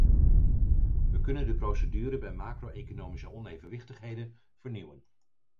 We kunnen de procedures bij macro-economische onevenwichtigheden vernieuwen.